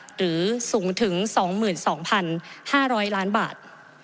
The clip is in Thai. หรือสูงถึง๒๒๕๐๐ล้านบาท